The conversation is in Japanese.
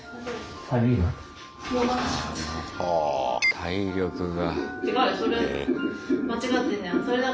体力が。